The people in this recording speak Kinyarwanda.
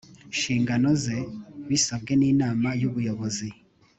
nshingano ze bisabwe n inama y ubuyobozi